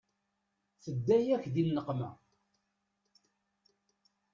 Tedda-yak di nneqma.